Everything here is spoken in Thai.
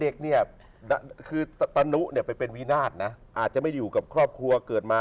เด็กเนี่ยคือตะนุเนี่ยไปเป็นวินาศนะอาจจะไม่อยู่กับครอบครัวเกิดมา